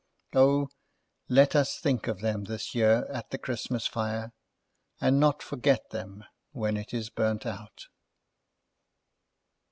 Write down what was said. O! Let us think of them this year at the Christmas fire, and not forget them when it is burnt out.